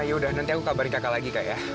yaudah nanti aku kabarin kakak lagi kak ya